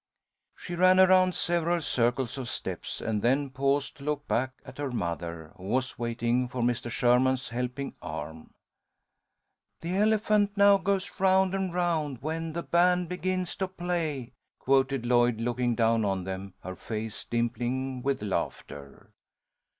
She ran around several circles of steps, and then paused to look back at her mother, who was waiting for Mr. Sherman's helping arm. "The elephant now goes round and round when the band begins to play," quoted Lloyd, looking down on them, her face dimpling with laughter.